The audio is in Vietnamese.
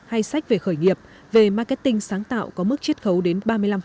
hay sách về khởi nghiệp về marketing sáng tạo có mức chiết khấu đến ba mươi năm